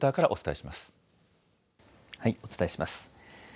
お伝えします。